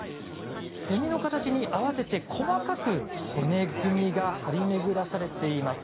セミの形に合わせて、細かく骨組みが張り巡らされています。